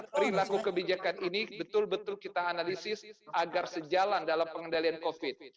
perilaku kebijakan ini betul betul kita analisis agar sejalan dalam pengendalian covid